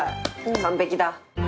完璧だ。